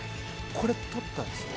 これ、取ったんです。